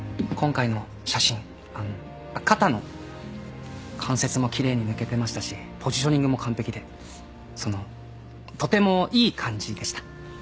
今回の写真肩の関節も奇麗に抜けてましたしポジショニングも完璧でそのとてもいい感じでした。